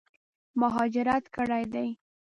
مهاجرت کړی دی.